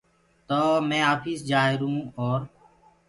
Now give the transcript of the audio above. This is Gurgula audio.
تو مي آپيس جآهرون اور